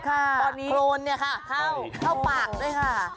ค่ะโครนเนี่ยค่ะเข้าปากด้วยค่ะ